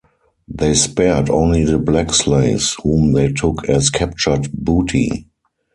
They spared only the black slaves whom they took as captured booty.